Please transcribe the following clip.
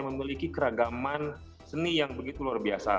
memiliki keragaman seni yang begitu luar biasa